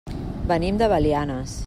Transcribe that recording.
Venim de Belianes.